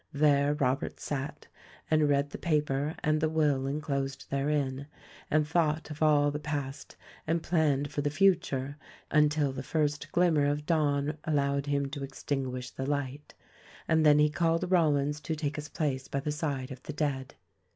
There Robert sat and read the paper and the will en closed therein and thought of all the past and planned for the future until the first glimmer of dawn allowed him to extinguish the light; and then he called Rollins to take his place by the side of the dead.